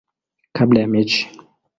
kabla ya mechi.